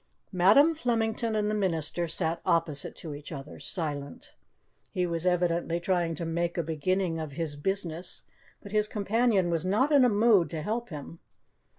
Madam Flemington and the minister sat opposite to each other, silent. He was evidently trying to make a beginning of his business, but his companion was not in a mood to help him.